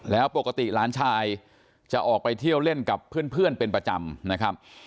แล้วปกติหลานชายจะออกไปเที่ยวเล่นกับเพื่อนเป็นประจำนะครับ